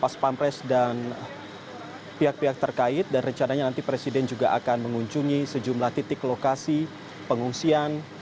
pas pampres dan pihak pihak terkait dan rencananya nanti presiden juga akan mengunjungi sejumlah titik lokasi pengungsian